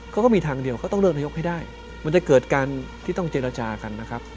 เขาก็มีทางเดียวเขาต้องเลือกนายกให้ได้มันจะเกิดการที่ต้องเจรจากันนะครับ